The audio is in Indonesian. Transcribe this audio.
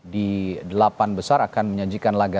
di delapan besar akan menyajikan laga tuan rumah qatar